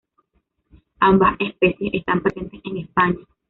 Ambas especies están presentes en España.